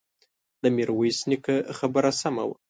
د ميرويس نيکه خبره سمه وه.